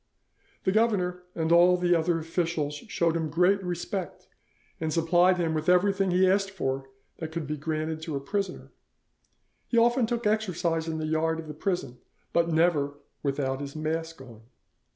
The governor and all the other officials showed him great respect, and supplied him with everything he asked for that could be granted to a prisoner. He often took exercise in the yard of the prison, but never without his mask on.